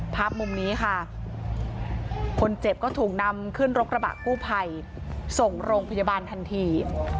ภาพมุมนี้ค่ะคนเจ็บก็ถูกนำขึ้นรถกระบะกู้ภัยส่งโรงพยาบาลทันที